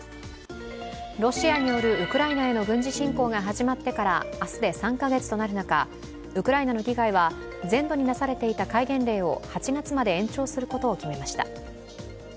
ロシアによるウクライナへの軍事侵攻が始まってから明日で３カ月になる中ウクライナの議会は全土に出されていた戒厳令を８月まで延長することを決めました。